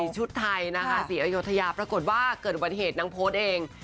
ใส่ชุดไทยนะคะสีอโยธยาปรากฏว่าเกิดประเทศนางโพสต์เอง